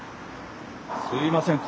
すみません。